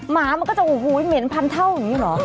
หมามันก็จะโอ้โหเหม็นพันเท่าอย่างนี้เหรอ